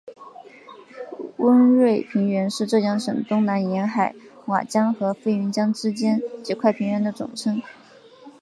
温瑞平原是浙江省东南沿海瓯江和飞云江之间几块平原的总称。